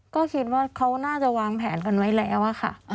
ก็คิดว่าเขาน่าจะวางแผนกันไว้แล้วค่ะ